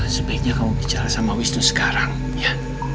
sebaiknya kamu bicara sama wisnu sekarang ya